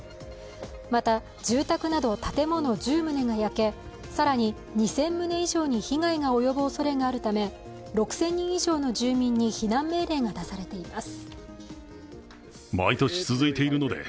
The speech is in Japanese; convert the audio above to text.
また住宅など建物１０棟が焼け更に２０００棟以上に被害が及ぶおそれがあるため６０００人以上の住民に避難命令が出されています。